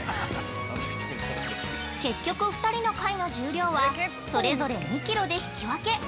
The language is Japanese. ◆結局、２人の貝の重量はそれぞれ２キロで引き分け。